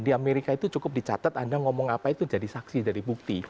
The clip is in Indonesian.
di amerika itu cukup dicatat anda ngomong apa itu jadi saksi jadi bukti